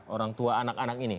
orang tua anak anak ini